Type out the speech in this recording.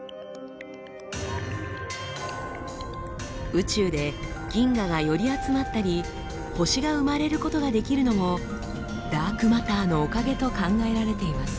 宇宙で銀河が寄り集まったり星が生まれることができるのもダークマターのおかげと考えられています。